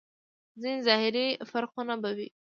ځينې ظاهري فرقونه به وي.